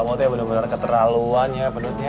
kamu tuh yang bener bener keterlaluan ya penduduknya